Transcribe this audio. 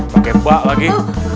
pakai ba lagi